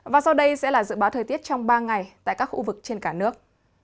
và sau đây sẽ là dự báo thời tiết trong ba ngày tại các khu vực trên cả nước